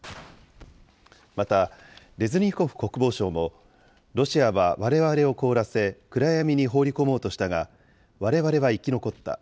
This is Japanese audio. また、レズニコフ国防相も、ロシアはわれわれを凍らせ、暗闇に放り込もうとしたが、われわれは生き残った。